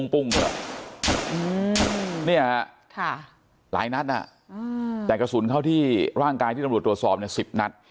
ปุ้งเนี่ยหลายนัดแต่กระสุนเข้าที่ร่างกายที่ตรวจตรวจสอบ๑๐นัด